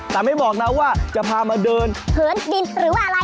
แต่ไม่บอกนะว่าจะพามาเดินผืนดินหรือว่าอะไร